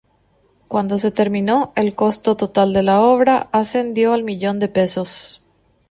Cuando se terminó, el costo total de la obra ascendió al millón de pesos.